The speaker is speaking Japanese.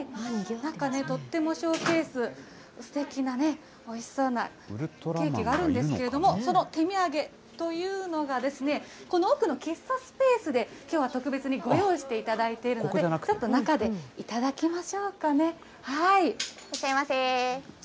なんかね、とってもショーケース、すてきな、おいしそうなケーキがあるんですけれども、その手土産というのが、この奥の喫茶スペースで、きょうは特別にご用意していただいているので、ちょっと中で頂きましょうかね。